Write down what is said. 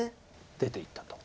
出ていったと。